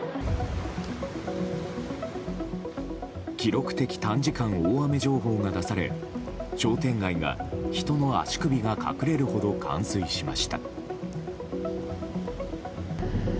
記録的短時間大雨情報が出され商店街は人の足首が隠れるほど冠水しました。